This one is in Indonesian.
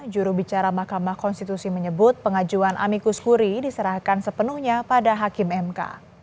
jurubicara mahkamah konstitusi menyebut pengajuan amikus huri diserahkan sepenuhnya pada hakim mk